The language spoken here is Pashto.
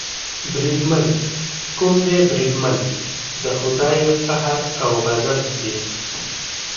بریدمن، کوم دی بریدمن، د خدای قهر او غضب دې.